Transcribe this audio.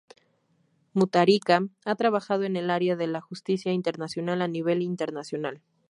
Mutharika ha trabajado en el área de la justicia internacional a nivel internacional.